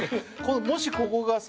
もしここがさ